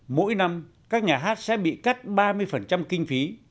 mỗi năm các nhà hát sẽ bị cắt ba mươi kinh phí